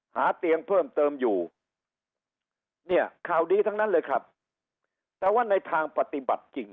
หาเตียงเพิ่มเติมอยู่เนี่ยข่าวดีทั้งนั้นเลยครับแต่ว่าในทางปฏิบัติจริง